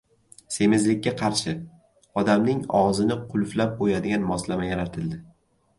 Semizlikka qarshi: odamning og‘zini qulflab qo‘yadigan moslama yaratildi